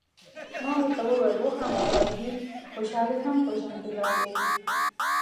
ما ورته وویل: وخانده فرګي، خوشالي هم په ژوند کي ځای لري.